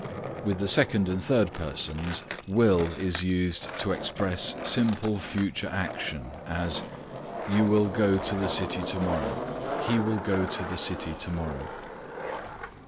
With the second and third persons will is used to express simple future action; as, "You will go to the city to morrow," "He will go to the city to morrow."